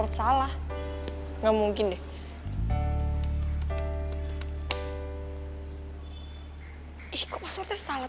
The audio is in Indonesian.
tidak boleh dig listening